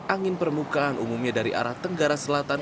angin permukaan umumnya dari arah tenggara selatan